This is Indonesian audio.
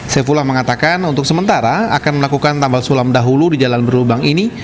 saifullah mengatakan untuk sementara akan melakukan tambal sulam dahulu di jalan berlubang ini